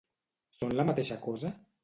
Són la mateixa cosa?